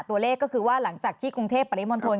ตัวเลขก็คือว่าหลังจากที่กรุงเทพปริมณฑล